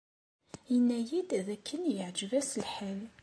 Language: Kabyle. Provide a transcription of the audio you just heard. Yenna-iyi-d dakken yeɛjeb-as lḥal.